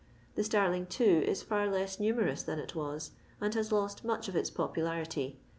The starting, too, is for leu numerous than it was, and has loot mnch of iu popuUurity.